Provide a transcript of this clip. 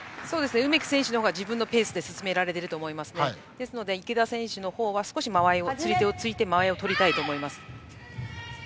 梅木選手の方が自分のペースで進められていましたのでですので池田選手は少し釣り手を取って間合いをとりたいと思います。